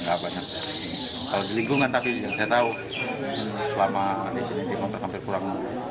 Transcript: kalau di lingkungan tapi yang saya tahu selama di sini di kontrakan hampir kurang